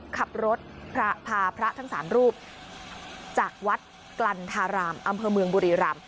ขับรถพาพระทั้ง๓รูปจากวัดกลันทารามอำเภอเมืองบุรีรำ